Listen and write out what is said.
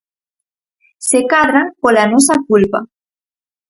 Se cadra, pola nosa culpa.